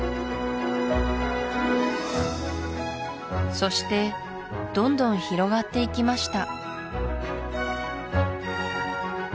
そしてどんどん広がっていきました